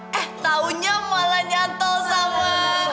eh taunya malah nyanto sama